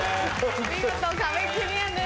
見事壁クリアです。